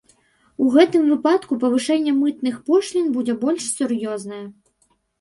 У гэтым выпадку павышэнне мытных пошлін будзе больш сур'ёзнае.